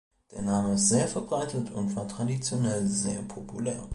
Der Name ist sehr verbreitet und war traditionell sehr populär.